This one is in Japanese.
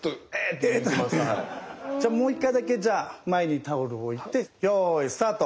もう一回だけ前にタオルを置いてよいスタート。